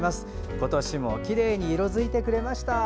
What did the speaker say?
今年も、きれいに色づいてくれました。